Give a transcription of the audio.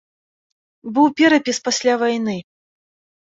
Быў перапіс пасля вайны.